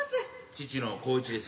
父の耕一です。